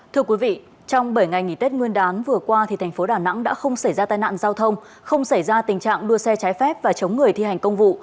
thưa quý vị trong bảy ngày nghỉ tết nguyên đán vừa qua thành phố đà nẵng đã không xảy ra tai nạn giao thông không xảy ra tình trạng đua xe trái phép và chống người thi hành công vụ